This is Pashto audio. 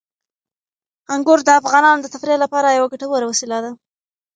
انګور د افغانانو د تفریح لپاره یوه ګټوره وسیله ده.